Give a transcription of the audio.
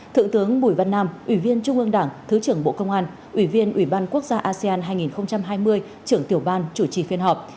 thượng tướng bùi văn nam ủy viên trung ương đảng thứ trưởng bộ công an ủy viên ủy ban quốc gia asean hai nghìn hai mươi trưởng tiểu ban chủ trì phiên họp